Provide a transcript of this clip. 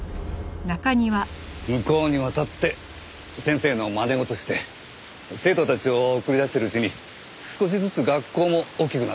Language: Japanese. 向こうに渡って先生のまね事して生徒たちを送り出しているうちに少しずつ学校も大きくなってって。